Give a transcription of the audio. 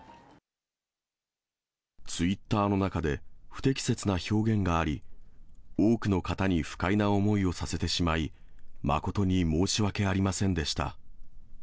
ツイッターの中で、不適切な表現があり、多くの方に不快な思いをさせてしまい、誠に申し訳ありませんでした。